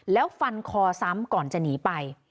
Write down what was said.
แล้วฟันคอซ้ำก่อนจะหนีไป